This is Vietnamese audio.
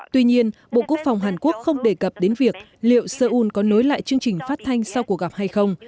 tuy nhiên bộ quốc phòng hàn quốc không đề cập đến việc liệu seoul có nối lại chương trình phát thanh sau cuộc gặp hay không